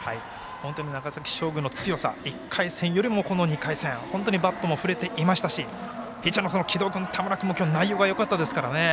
長崎商業の強さ１回戦よりも２回戦バットも振れていましたしピッチャー、城戸君も田村君も内容がよかったですからね。